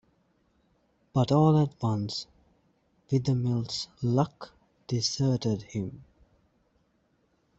But all at once Wethermill's luck deserted him.